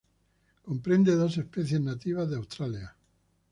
Comprende dos especies nativas de Australia.